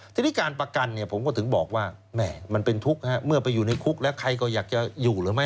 ทีนี้การประกันเนี่ยผมก็ถึงบอกว่าแม่มันเป็นทุกข์เมื่อไปอยู่ในคุกแล้วใครก็อยากจะอยู่หรือไม่